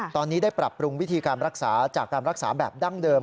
ตอนนี้ได้ปรับปรุงวิธีการรักษาจากการรักษาแบบดั้งเดิม